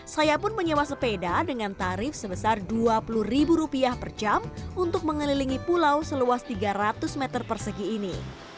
saya pun menyewa sepeda dengan tarif sebesar rp dua puluh ribu rupiah per jam untuk mengelilingi pulau seluas tiga ratus meter persegi ini